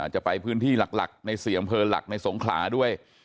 จะไปพื้นที่หลักใน๔อำเภอหลักในสงขลาด้วย